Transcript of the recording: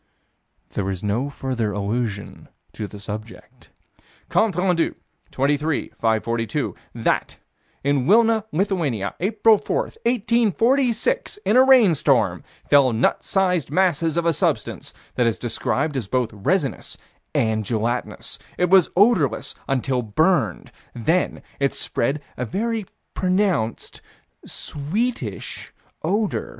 There is no further allusion to this subject. Comptes Rendus, 23 542: That, in Wilna, Lithuania, April 4, 1846, in a rainstorm, fell nut sized masses of a substance that is described as both resinous and gelatinous. It was odorless until burned: then it spread a very pronounced sweetish odor.